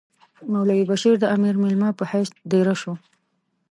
مولوی بشیر د امیر مېلمه په حیث دېره شو.